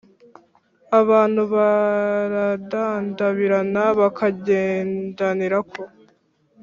abantu baradandabirana bakagendanirako,